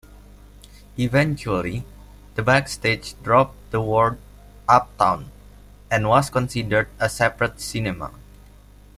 Eventually the Backstage dropped the word "Uptown" and was considered a separate cinema.